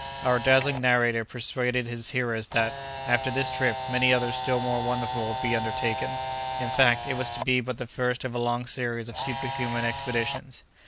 Our dazzling narrator persuaded his hearers that, after this trip, many others still more wonderful would be undertaken. In fact, it was to be but the first of a long series of superhuman expeditions.